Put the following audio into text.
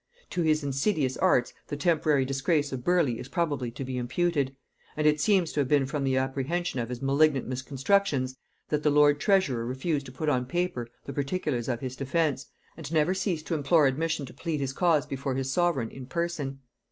To his insidious arts the temporary disgrace of Burleigh is probably to be imputed; and it seems to have been from the apprehension of his malignant misconstructions that the lord treasurer refused to put on paper the particulars of his defence, and never ceased to implore admission to plead his cause before his sovereign in person.